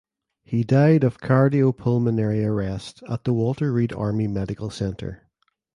He died of cardiopulmonary arrest at the Walter Reed Army Medical Center.